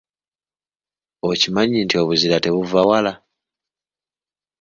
Okimanyi nti obuzira tebuvva wala?